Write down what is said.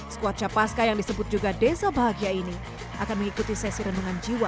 skuad capaska yang disebut juga desa bahagia ini akan mengikuti sesi rendungan jiwa